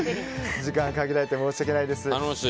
時間がかけられなくて申し訳ないです。